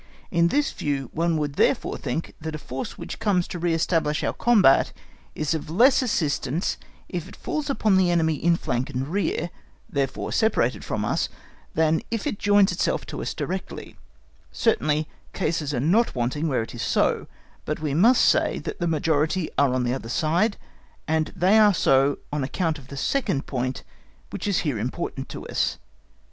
In this view one would therefore think that a force which comes to re establish our combat is of less assistance if it falls upon the enemy in flank and rear, therefore separated from us, than if it joins itself to us directly; certainly, cases are not wanting where it is so, but we must say that the majority are on the other side, and they are so on account of the second point which is here important to us.